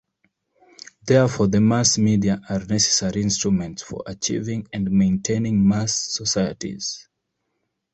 Therefore, the mass media are necessary instruments for achieving and maintaining mass societies.